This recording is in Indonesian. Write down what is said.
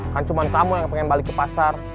kan cuma tamu yang pengen balik ke pasar